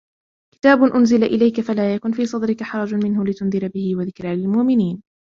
كِتَابٌ أُنْزِلَ إِلَيْكَ فَلَا يَكُنْ فِي صَدْرِكَ حَرَجٌ مِنْهُ لِتُنْذِرَ بِهِ وَذِكْرَى لِلْمُؤْمِنِينَ